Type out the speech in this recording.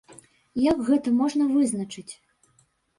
Як гэта можна вызначыць?